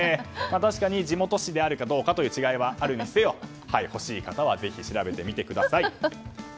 確かに地元紙であるかどうかという違いはあるにせよ欲しい方はぜひ調べてみてください。